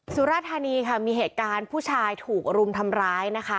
สุราธานีค่ะมีเหตุการณ์ผู้ชายถูกรุมทำร้ายนะคะ